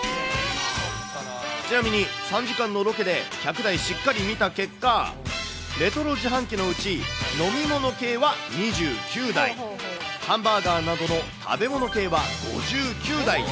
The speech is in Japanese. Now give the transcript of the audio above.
ちなみに、３時間のロケで、１００台しっかり見た結果、レトロ自販機のうち、飲み物系は２９台、ハンバーガーなどの食べ物系は５９台。